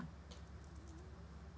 assalamualaikum mbak ustaz